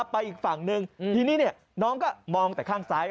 ไปอีกฝั่งนึงทีนี้น้องก็มองแต่ข้างซ้าย